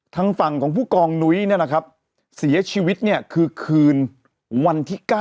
ทางฝั่งของผู้กองนุ้ยเนี่ยนะครับเสียชีวิตเนี่ยคือคืนวันที่๙